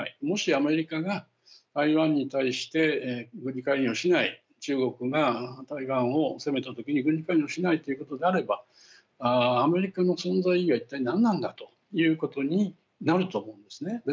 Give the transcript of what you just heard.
もしアメリカが台湾に対して軍事介入をしない中国が台湾を攻めたときに軍事介入をしないということであればアメリカの存在意義は一体なんなんだということになると思うんですね。